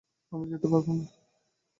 আমি যেতে পারব না।